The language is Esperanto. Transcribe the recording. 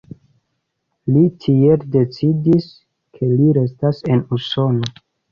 Li tiel decidis, ke li restas en Usono.